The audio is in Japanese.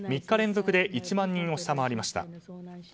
３日連続で１万人を下回りました。